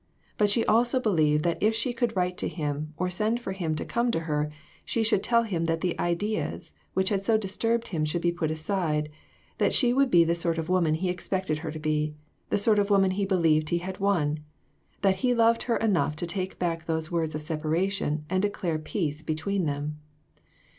But she also believed that if she would write to him, or send for him to come to her, and should tell him that the ideas which had so disturbed him should be put aside; that she would be the sort of woman he expected her to be, the sort of woman he believed he had won, that he loved her enough to take back those words of separation, and declare peace between them.